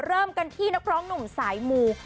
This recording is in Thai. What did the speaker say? เริ่มกันที่นักร้องหนุ่มสายมู